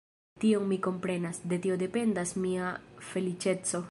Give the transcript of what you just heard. Tion mi komprenas; de tio dependas mia feliĉeco.